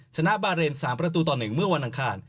ชนะบาเรน๓ประตูต่อ๑เมื่อวันอังคาร